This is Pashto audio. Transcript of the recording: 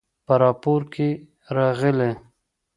په راپور کې راغلي